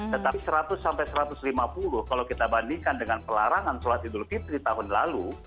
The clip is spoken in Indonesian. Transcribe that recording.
tetapi seratus satu ratus lima puluh kalau kita bandingkan dengan pelarangan sholat hidup kita di tahun lalu